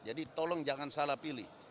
jadi tolong jangan salah pilih